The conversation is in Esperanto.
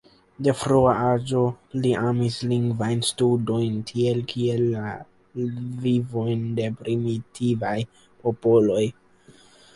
De frua aĝo li amis lingvajn studojn, tiel kiel la vivojn de primitivaj popoloj.